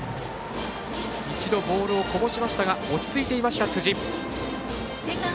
一度、ボールをこぼしましたが落ち着いていました、辻。